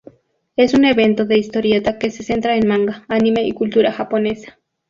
Es un evento de historieta que se centra en manga, anime y cultura japonesa.